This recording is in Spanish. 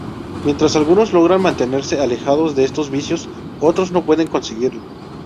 Mientras algunos logran mantenerse alejados de estos vicios, otros no pueden conseguirlo.